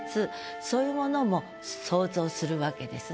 そういうものも想像するわけですね。